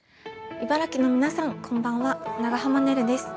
茨城の皆さんこんばんは長濱ねるです。